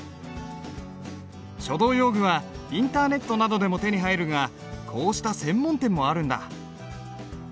書道用具はインターネットなどでも手に入るがこうした専門店もあるんだ。